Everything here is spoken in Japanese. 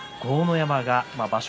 山は場所